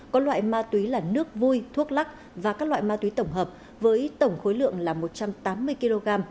có loại ma túy là nước vui thuốc lắc và các loại ma túy tổng hợp với tổng khối lượng là một trăm tám mươi kg